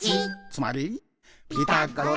「つまり、」